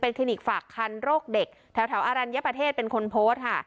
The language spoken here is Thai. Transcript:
คลินิกฝากคันโรคเด็กแถวอรัญญประเทศเป็นคนโพสต์ค่ะ